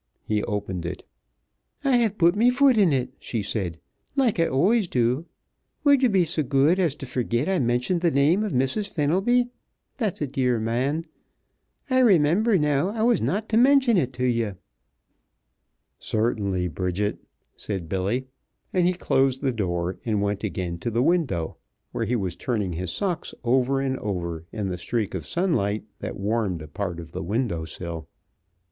He opened it. "I have put me foot in it," she said, "like I always do. W'u'd ye be so good as t' fergit I mentioned th' name of Missus Fenelby, that's a dear man? I raymimber now I was not t' mention it t' ye." "Certainly, Bridget," said Billy, and he closed the door and went again to the window, where he was turning his socks over and over in the streak of sunlight that warmed a part of the window sill.